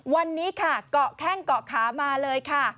วันนี้ค่ะเกาะแข้งเกาะขามาเลยค่ะ